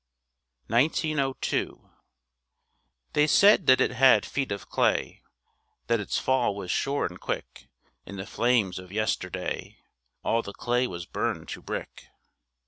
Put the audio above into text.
THE EMPIRE 1902 They said that it had feet of clay, That its fall was sure and quick. In the flames of yesterday All the clay was burned to brick.